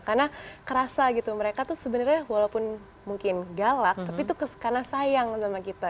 karena kerasa gitu mereka tuh sebenarnya walaupun mungkin galak tapi itu karena sayang sama kita